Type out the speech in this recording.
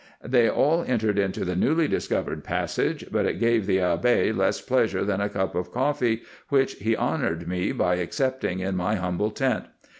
They all entered into the newly discovered passage ; but it gave the Abbe less pleasure than a cup of coffee, which he honoured me by accepting in my humble tent.